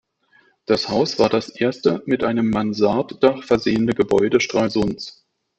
Das Haus war das erste mit einem Mansarddach versehene Gebäude Stralsunds.